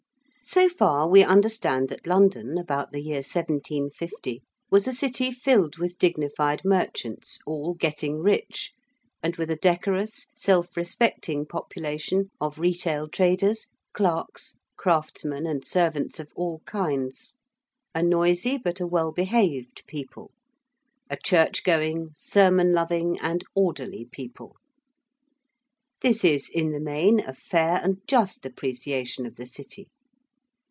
So far we understand that London about the year 1750 was a city filled with dignified merchants all getting rich, and with a decorous, self respecting population of retail traders, clerks, craftsmen, and servants of all kinds, a noisy but a well behaved people. A church going, sermon loving, and orderly people. This is in the main a fair and just appreciation of the City.